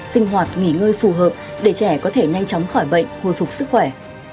sinh hoạt nghỉ ngơi phù hợp để trẻ có thể nhanh chóng khỏi bệnh hồi phục sức khỏe